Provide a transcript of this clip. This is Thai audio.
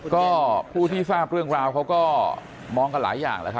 ก็ผู้ที่ฟาบเรื่องราวเขาก็มองกันหลายอย่าง